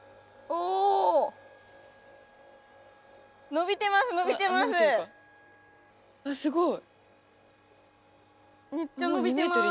おすごい。